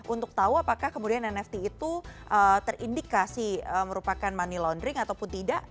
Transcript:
untuk tahu apakah kemudian nft itu terindikasi merupakan money laundering ataupun tidak